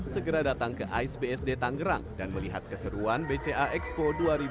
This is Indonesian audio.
segera datang ke ais bsd tanggerang dan melihat keseruan bca expo dua ribu dua puluh